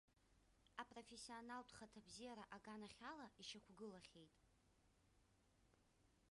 Апрофессионалтә хаҭабзиара аганахьала ишьақәгылахьеит.